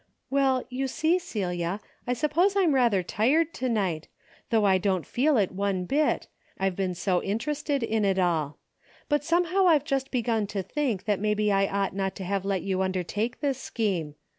"Well, you see, Celia, I suppose I'm rather tired to night, though I don't feel it one bit, I've been so interested in it all. But somehow I've just begun to think that maybe I ought not to have let you undertake this scheme.